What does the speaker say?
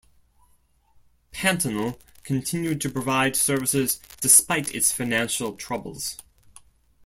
Pantanal continued to provide services despite its financial troubles.